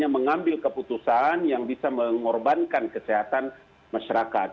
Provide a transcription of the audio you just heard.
mengambil keputusan yang bisa mengorbankan kesehatan masyarakat